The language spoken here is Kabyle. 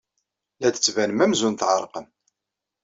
La d-tettbanem amzun tɛerqem.